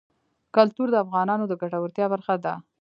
کلتور د افغانانو د ګټورتیا برخه ده.